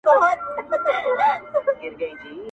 قاتل هم ورسره ژاړي لاس په وینو تر څنګلي؛